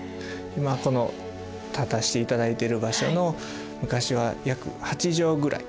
今この立たしていただいてる場所の昔は約８畳ぐらい。